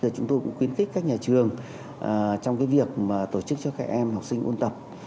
chúng tôi cũng khuyến khích các nhà trường trong việc tổ chức cho các em học sinh ôn tập